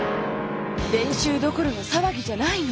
練習どころの騒ぎじゃないの！